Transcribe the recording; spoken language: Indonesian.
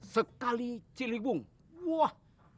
sekali ciligung wah